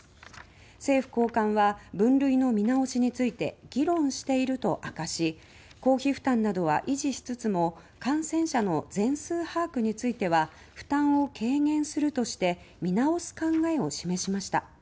政府高官は分類の見直しについて議論していると明かし公費負担などは維持しつつも感染者の全数把握については負担を軽減するとして見直す考えを示しました。